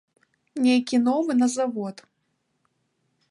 Нейкі новы на завод.